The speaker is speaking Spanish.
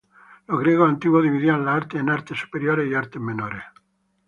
Los griegos antiguos dividían las artes en artes superiores y artes menores.